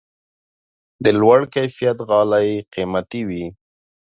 د لوړ کیفیت غالۍ قیمتي وي.